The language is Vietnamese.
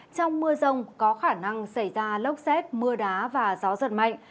trong mưa rông có khả năng xảy ra lốc xét mưa đá và gió giật mạnh